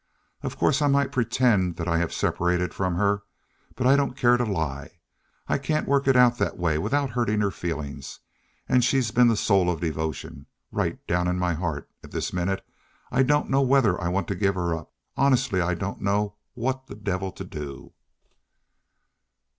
Of course, I might pretend that I have separated from her, but I don't care to lie. I can't work it out that way without hurting her feelings, and she's been the soul of devotion. Right down in my heart, at this minute, I don't know whether I want to give her up. Honestly, I don't know what the devil to do."